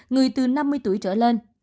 người từ năm mươi tuổi trở lên